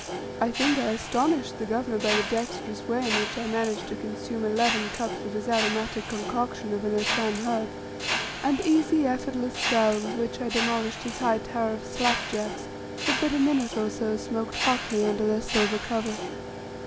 I think I astonished the governor by the dexterous way in which I managed to consume eleven cups of his aromatic concoction of an Assam herb, and the easy effortless style with which I demolished his high tower of "slap jacks," that but a minute or so smoked hotly under their silver cover.